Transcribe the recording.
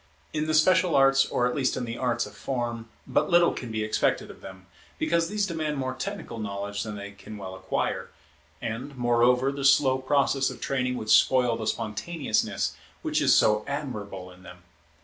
In the special arts, or at least in the arts of form, but little can be expected of them, because these demand more technical knowledge than they can well acquire, and, moreover, the slow process of training would spoil the spontaneousness which is so admirable in them.